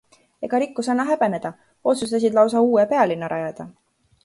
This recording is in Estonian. Ega rikkus anna häbeneda, otsustasid lausa uue pealinna rajada.